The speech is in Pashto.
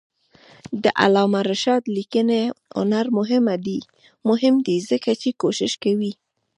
د علامه رشاد لیکنی هنر مهم دی ځکه چې کوشش کوي.